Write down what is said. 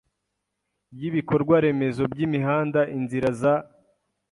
ry ibikorwa remezo by imihanda inzira za